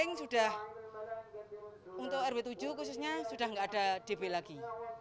mungkin sudah untuk rb tujuh khususnya sudah enggak ada db lagi